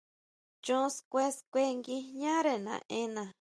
Chon xkuen, xkuen nguijñare naʼena.